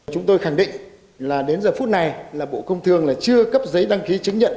chúng tôi khẳng định là đến giờ phút này là bộ công thương là chưa cấp giấy đăng ký chứng nhận